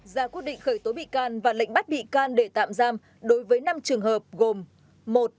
ra quyết định khởi tố bị can và lệnh bắt bị can để tạm giam đối với năm trường hợp gồm